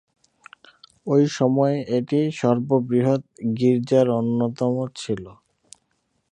ঐ সময়ে এটি সর্ববৃহৎ গির্জার অন্যতম ছিল।